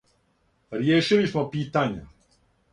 "Ријешили смо питања."